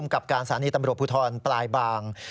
กับการสถานีตำรวจภูทรปลายบาง